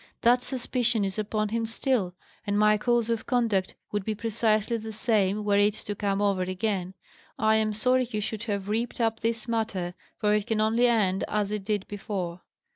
That suspicion is upon him still; and my course of conduct would be precisely the same, were it to come over again. I am sorry you should have reaped up this matter, for it can only end as it did before."